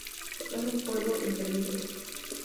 Son un pueblo en peligro.